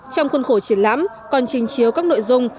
trong khuôn khổ triển lãm còn trình chiếu các nội dung